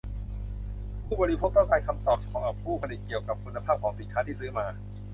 ผู้บริโภคต้องการคำตอบจากผู้ผลิตเกี่ยวกับคุณภาพของสินค้าที่ซื้อมา